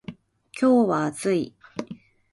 今日は暑い